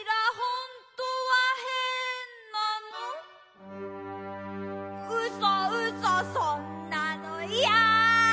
「うそうそそんなのいやだよう！」